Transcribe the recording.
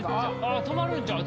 止まるんちゃう？